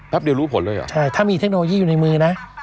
เดียวรู้ผลเลยเหรอใช่ถ้ามีเทคโนโลยีอยู่ในมือนะ